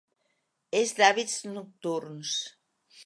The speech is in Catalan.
És d'hàbits nocturns.